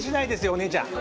お姉ちゃん。